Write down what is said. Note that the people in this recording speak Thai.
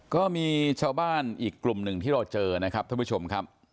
ก็มีชาวบ้านอีกกลุ่มหนึ่งที่เราเจอนะครับท่านผู้ชมครับ